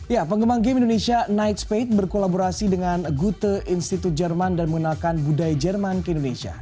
ya penggemar game indonesia night spade berkolaborasi dengan gute institute jerman dan mengenalkan budaya jerman ke indonesia